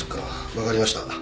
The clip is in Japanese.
分かりました。